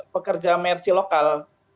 pekerja mersi lokal